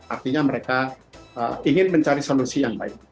artinya mereka ingin mencari solusi yang baik